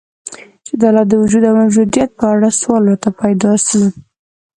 چي د الله د وجود او موجودیت په اړه سوال راته پیدا سي